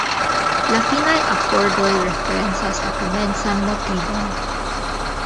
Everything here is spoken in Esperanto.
La finaj akordoj referencas la komencan motivon.